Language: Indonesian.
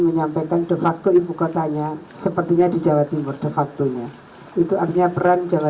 menyampaikan defacto ibu kotanya sepertinya di jawa timur defactonya itu artinya peran jawa